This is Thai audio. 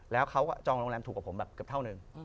แล้วเขาก็จองโรงแรมถูกกับผมแบบเท่าหนึ่ง